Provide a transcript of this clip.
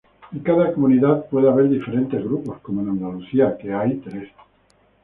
En cada comunidad puede haber diferentes grupos como en Andalucía, que hay tres grupos.